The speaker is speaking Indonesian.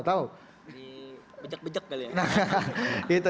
di bejek bejek kali ya